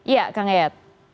ya kang yaya